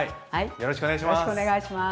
よろしくお願いします。